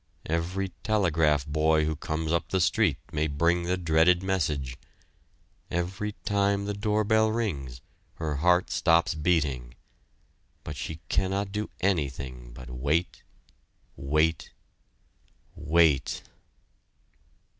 Every telegraph boy who comes up the street may bring the dreaded message; every time the door bell rings her heart stops beating. But she cannot do anything but wait! wait! wait!